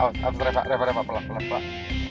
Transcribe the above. awas awas reba reba reba pelan pelan pelan